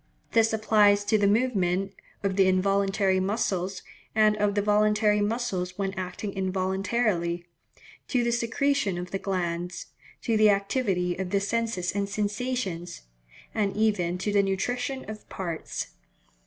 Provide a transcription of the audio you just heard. This applies to the movements of the involuntary muscles, and of the voluntary muscles when acting involuntarily,—to the secretion of the glands,—to the activity of the senses and sensations,—and even to the nutrition of parts.